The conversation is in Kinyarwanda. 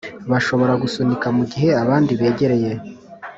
bashobora gusunika mugihe abandi begereye